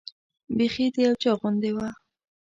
بیخي د یو چا غوندې وه.